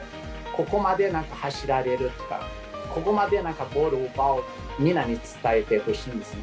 ここまで走れるとかここまでボール奪えるとかみんなに伝えてほしいですね。